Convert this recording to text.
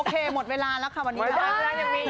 โอเคหมดเวลาแล้วค่ะวันนี้